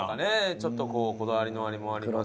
ちょっとこうこだわりのあれもありますし。